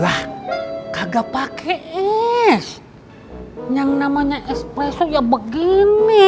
ya udah kagak pakai es yang namanya espresso ya begini